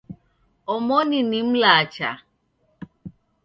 Omoni ni mlacha.